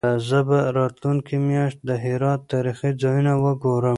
زه به راتلونکې میاشت د هرات تاریخي ځایونه وګورم.